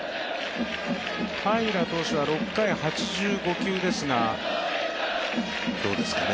平良投手は６回８５球ですが、どうですかね。